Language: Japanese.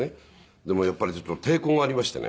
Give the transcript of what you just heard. でもやっぱりちょっと抵抗がありましてね。